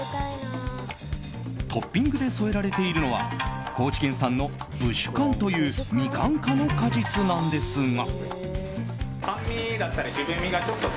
トッピングで添えられているのは高知県産の、ぶしゅかんというミカン科の果実なんですが。